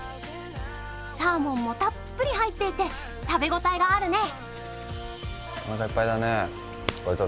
サーモンもたっぷり入っていて食べ応えがあるね。